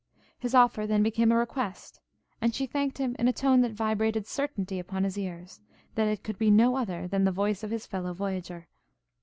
His offer then became a request, and she thanked him in a tone that vibrated certainty upon his ears, that it could be no other than the voice of his fellow voyager.